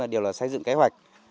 đều là xây dựng kế hoạch